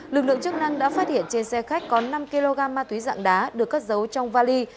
lực lượng chức năng đã phát hiện trên xe khách có năm kg ma túy dạng đá được cất giấu trong vali